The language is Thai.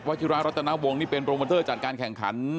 วัฒนาวงนี่เป็นโรงพอร์เตอร์จากการแข่งขัน